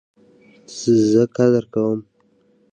زه قدر کوم